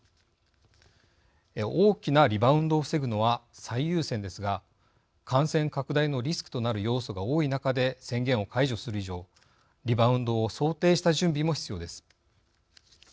大きなリバウンドを防ぐのは最優先ですが感染拡大のリスクとなる要素が多い中で宣言を解除する以上リバウンドを想定した準備も必要です。